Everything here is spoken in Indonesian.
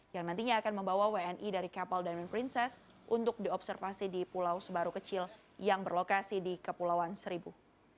yang nantinya akan membawa wni dari kapal diamond princess untuk diobservasi di pulau sebaru kecil yang berlokasi di kepulauan seribu